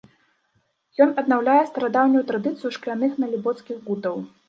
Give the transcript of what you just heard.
Ён аднаўляе старадаўнюю традыцыю шкляных налібоцкіх гутаў.